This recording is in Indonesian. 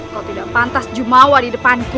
kalau tidak pantas jumawa di depanku